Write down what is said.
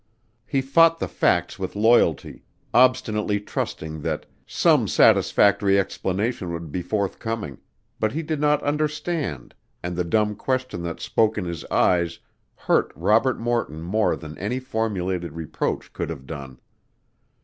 He fought the facts with loyalty, obstinately trusting that some satisfactory explanation would be forthcoming, but he did not understand, and the dumb question that spoke in his eyes hurt Robert Morton more than any formulated reproach could have done.